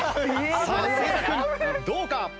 さあ菅田君どうか？